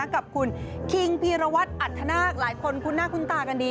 กับคุณคิงพีรวัตรอัธนาคหลายคนคุ้นหน้าคุ้นตากันดี